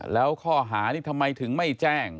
แล้วข้อหานี้ทำไมถึงไม่แจ้ง